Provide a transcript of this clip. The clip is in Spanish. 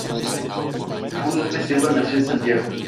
Es por eso que hoy soy un Kahn.